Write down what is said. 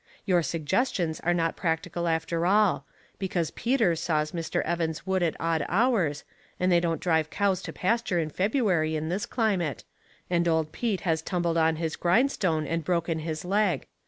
Your suggestions are not practical after all, be cause Peter saws Mr. Evafis' wood at odd hours, and they don't drive cows to pasture in February in this climate, and old Pete has tumbled on his grindstone and broken his leg.